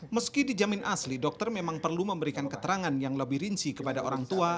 meski dijamin asli dokter memang perlu memberikan keterangan yang lebih rinci kepada orang tua